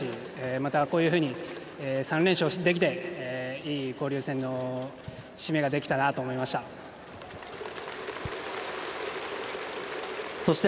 また、こういうふうに３連勝できていい交流戦の締めができたなと思いました。